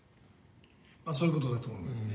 まあそういう事だと思いますね。